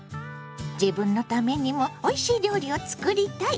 自分のためにもおいしい料理を作りたい！